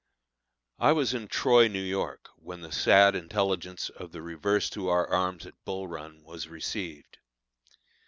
I was in Troy, New York, when the sad intelligence of the reverse to our arms at Bull Run, was received.